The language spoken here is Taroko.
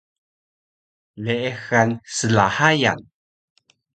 leexan slhayan